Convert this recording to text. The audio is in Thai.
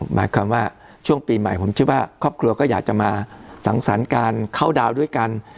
หมายความว่าช่วงปีใหม่ผมเชื่อว่าครอบครัวก็อยากจะมาสังสรรค์การเข้าดาวด้วยกัน